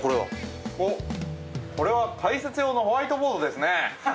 これは解説用のホワイトボードですねえ！